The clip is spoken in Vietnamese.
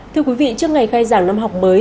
thưa quý vị trước ngày khai giảng năm học mới